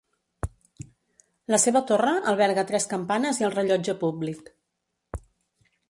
La seva torre alberga tres campanes i el rellotge públic.